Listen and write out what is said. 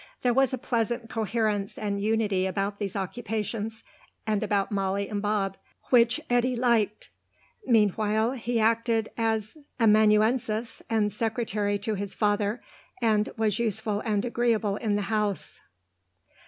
There was a pleasant coherence and unity about these occupations, and about Molly and Bob, which Eddy liked. Meanwhile he acted as amanuensis and secretary to his father, and was useful and agreeable in the home.